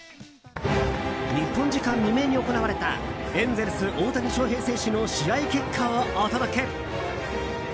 日本時間未明に行われたエンゼルス、大谷翔平選手の試合結果をお届け。